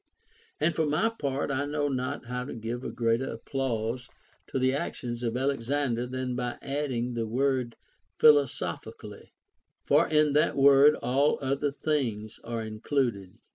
And for my part, I know not how to give a greater applause to the actions of Alexander, than by adding the word " philo sophically," for in that word all other things are included.